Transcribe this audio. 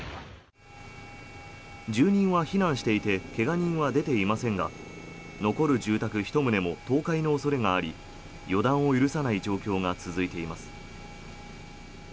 住人は避難していて怪我人は出ていませんが残る住宅１棟も倒壊の恐れがあり予断を許さない状況が続いています。